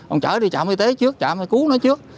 ông chở đi chạm y tế trước chạm hay cứu nó trước